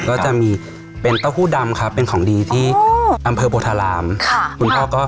ก็จะมีเป็นเต้าหู้ดำครับเป็นของดีที่อำเภอโปธราบ